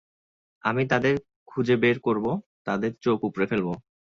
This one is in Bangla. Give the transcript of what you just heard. আমি তাদের খুঁজে বের করবো আর তাদের চোখ উপড়ে ফেলবো!